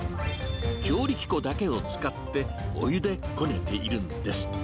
強力粉だけを使って、お湯でこねているんです。